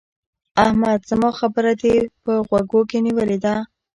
احمده! زما خبره دې په غوږو کې نيولې ده؟